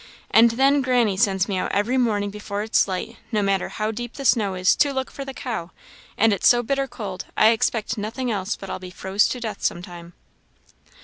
And then granny sends me out every morning before it's light, no matter how deep the snow is, to look for the cow; and it's so bitter cold, I expect nothing else but I'll be froze to death some time."